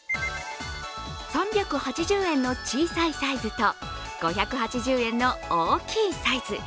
３８０円の小さいサイズと５８０円の大きいサイズ。